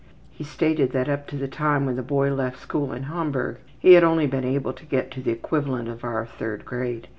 He stated that up to the time when the boy left school in Hamburg he had only been able to get to the equivalent of our third grade.